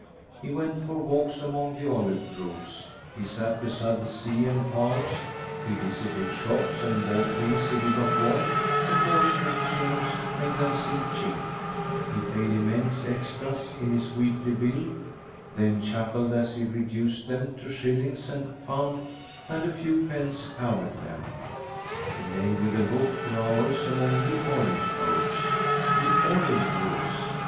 He went for walks among the olive groves, he sat beside the sea and palms, he visited shops and bought things he did not want because the exchange made them seem cheap, he paid immense "extras" in his weekly bill, then chuckled as he reduced them to shillings and found that a few pence covered them; he lay with a book for hours among the olive groves. The olive groves!